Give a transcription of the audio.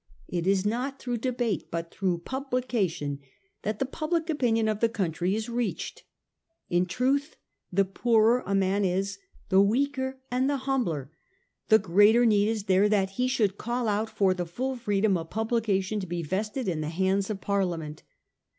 It is not through debate, but through publication, that the public opinion of the country is reached. In truth, the poorer a man is, the weaker and the humbler, the greater need is there that he should call out for the full freedom of publication to be vested in the hands of Parliament.